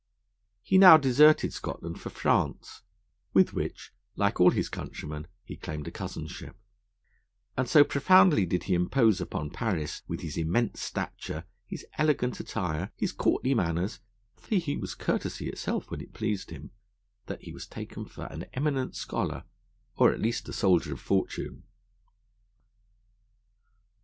He now deserted Scotland for France, with which, like all his countrymen, he claimed a cousinship; and so profoundly did he impose upon Paris with his immense stature, his elegant attire, his courtly manners (for he was courtesy itself, when it pleased him), that he was taken for an eminent scholar, or at least a soldier of fortune.